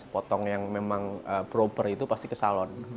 potong yang memang proper itu pasti ke salon